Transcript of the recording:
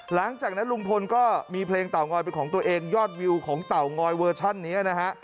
หลังจากนั้นลุงพลก็มีเพลงเต่างอยเป็นของตัวเองยอดวิวของเตางอยเวอร์ชันนี้นะฮะ